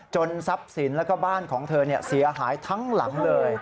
ทรัพย์สินแล้วก็บ้านของเธอเสียหายทั้งหลังเลย